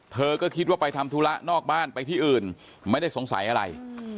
เธอก็คิดว่าไปทำธุระนอกบ้านไปที่อื่นไม่ได้สงสัยอะไร